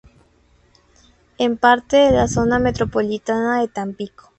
Es parte de la Zona Metropolitana de Tampico.